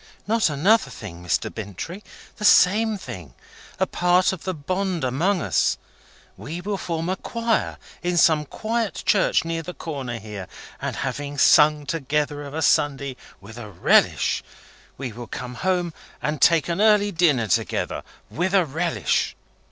"Not another thing, Mr. Bintrey! The same thing. A part of the bond among us. We will form a Choir in some quiet church near the Corner here, and, having sung together of a Sunday with a relish, we will come home and take an early dinner together with a relish.